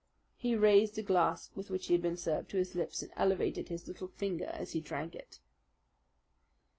He raised a glass with which he had been served to his lips and elevated his little finger as he drank it.